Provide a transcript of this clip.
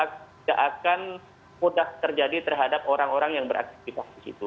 tidak akan mudah terjadi terhadap orang orang yang beraktifitas